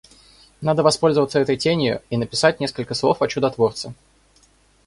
Надо воспользоваться этой тенью и написать несколько слов о чудотворце.